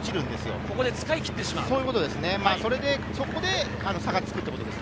ここで使い切ってしまう。